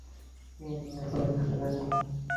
এ নিয়ে আর কোনো ঝামেলা নেই।